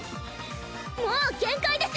もう限界です！